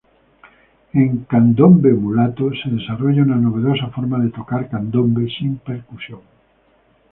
En "Candombe mulato" se desarrolla una novedosa forma de tocar candombe sin percusión.